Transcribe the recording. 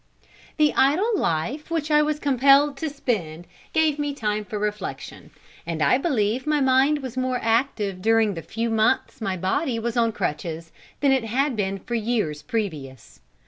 The idle life which I was compelled to spend gave me time for reflection, and I believe my mind was more active during the few months my body was on crutches than it had been for years previous.